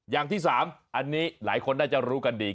อย่างที่๓อันนี้หลายคนน่าจะรู้กันดี